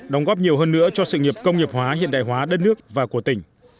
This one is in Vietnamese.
đóng góp nhiều hơn nữa cho sự nghiệp công nghiệp hóa hiện đại hóa đất nước và của tỉnh